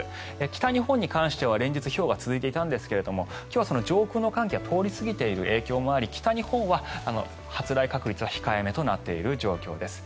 北日本に関しては連日、ひょうが続いていたんですが今日は上空の寒気が通り過ぎている影響もあり北日本は発雷確率は控えめとなっている状況です。